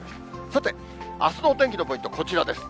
さて、あすのお天気のポイント、こちらです。